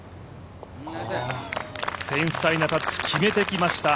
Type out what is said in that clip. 繊細なタッチ、決めてきました。